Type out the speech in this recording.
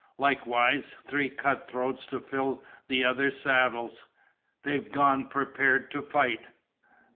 Likewise three cut throats to fill the other saddles. They've gone prepared to fight."